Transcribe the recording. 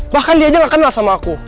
bahkan dia aja gak kenal sama aku